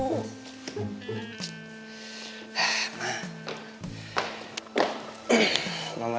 kan yang gimana expenditures ignorance